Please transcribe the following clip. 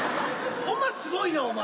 ほんますごいねお前。